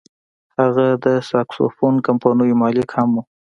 هغه د ساکسوفون کمپنیو مالک هم و.